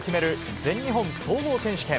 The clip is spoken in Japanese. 全日本総合選手権。